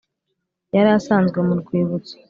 yari asanzwe mu rwibutso